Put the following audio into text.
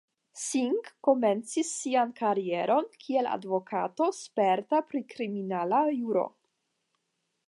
Singh komencis sian karieron kiel advokato sperta pri kriminala juro.